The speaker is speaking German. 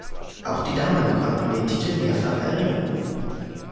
Auch die Damen konnten den Titel mehrfach erringen.